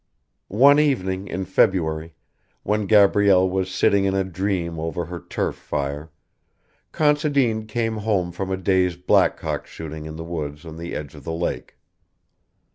One evening in February, when Gabrielle was sitting in a dream over her turf fire, Considine came home from a day's blackcock shooting in the woods on the edge of the lake.